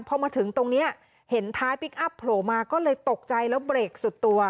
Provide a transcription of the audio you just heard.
พอมาถึงตรงนี้เห็นท้ายพลิกอัพโผล่มาก็เลยตกใจแล้วเบรกสุดตัว